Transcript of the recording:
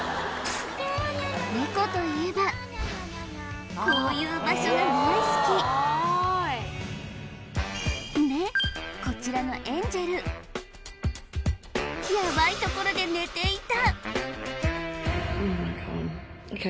ネコといえばこういう場所が大好きでこちらのエンジェルヤバい所で寝ていた！